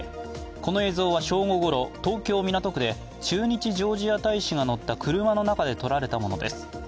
この映像は正午ごろ、東京・港区で駐日ジョージア大使が乗った車の中手撮られたものです。